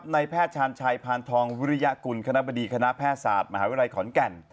ในแพทย์ชาญชัยพานทองวิริยกุลคณะบดีคณะแพทยศาสตร์มหาวิทยาลัยขอนแก่น